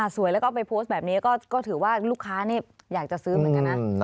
สวยแล้วก็ไปโพสต์แบบนี้ก็ถือว่าลูกค้านี่อยากจะซื้อเหมือนกันนะ